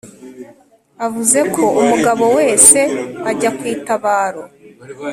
avuzeko umugabo wese ajya kwitabaro"